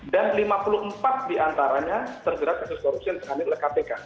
dan lima puluh empat diantaranya terjerat kasus korupsi yang terkandil oleh kpk